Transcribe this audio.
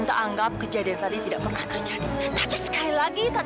kenapa aku selalu dituduh melakukan hal yang tidak aku lakukan